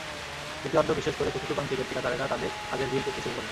দ্বিতীয়ার্ধ বিশেষ করে চতুর্থ প্রান্তিকে ঠিকাদারেরা তাঁদের কাজের বিল পেতে শুরু করেন।